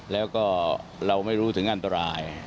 แล้วก็เราไม่รู้ถึงอันตราย